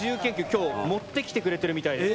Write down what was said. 今日持ってきてくれてるみたいです。